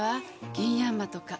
ギンヤンマとか。